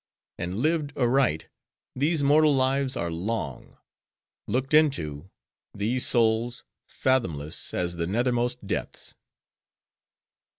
And lived aright, these mortal lives are long; looked into, these souls, fathomless as the nethermost depths.